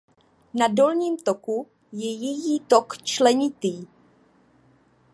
Na dolním toku je její tok členitý.